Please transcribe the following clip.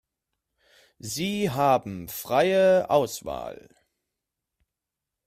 Sie haben freie Auswahl.